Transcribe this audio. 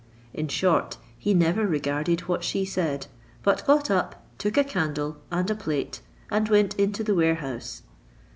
In short, he never regarded what she said, but got up, took a candle and a plate, and went into the warehouse.